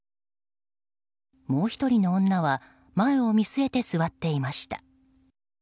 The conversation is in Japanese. もう１人の女は前を見据えて座っていました。